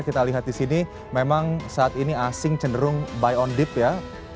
kita lihat disini memang saat ini asing cenderung buy on dip ya